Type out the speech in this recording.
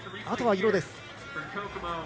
あとは色です。